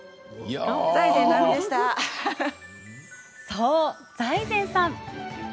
そう、財前さん。